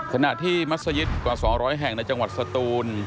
ขณะที่มัศยิตกว่า๒๐๐แห่งในจังหวัดสตูน